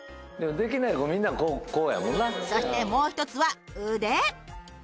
そしてもう１つは腕。